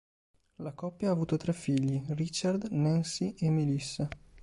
La coppia ha avuto tre figli, Richard, Nancy e Melissa.